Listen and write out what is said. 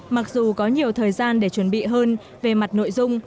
mặc dù có nhiều thời gian để chuẩn bị hơn về mặt nội dung